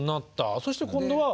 そして今度は。